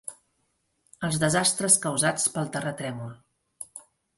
Els desastres causats pel terratrèmol.